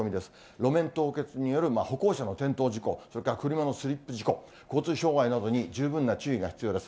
路面凍結による歩行者の転倒事故、それから車のスリップ事故、交通障害などに十分な注意が必要です。